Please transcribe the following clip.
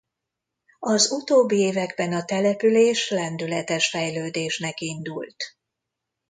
Az utóbbi években a település lendületes fejlődésnek indult.